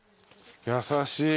優しい。